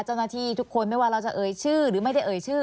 เจ้าหน้าที่ทุกคนไม่ว่าเราจะเอ่ยชื่อหรือไม่ได้เอ่ยชื่อ